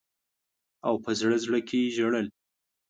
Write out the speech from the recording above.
او په زړه زړه کي ژړل.